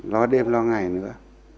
lo đêm lo ngày nữa